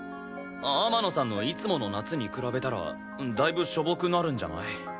天野さんのいつもの夏に比べたらだいぶしょぼくなるんじゃない？